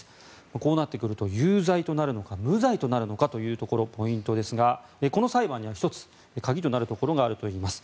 こうなってくると有罪となるのか無罪となるのかというところポイントですがこの裁判には１つ鍵となるところがあるといいます。